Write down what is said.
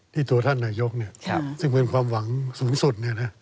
ตัวท่านนายกซึ่งเป็นความหวังสูงสุด